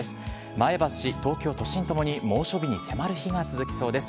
前橋、東京都心ともに猛暑日に迫る日が続きそうです。